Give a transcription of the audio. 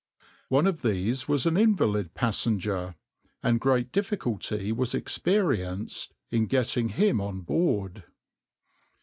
One of these was an invalid passenger, and great difficulty was experienced in getting him on board.